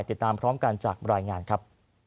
ติดตามพร้อมกันจากรายงานครับ